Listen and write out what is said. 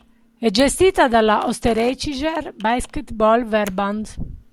È gestita dalla "Österreichischer Basketball Verband".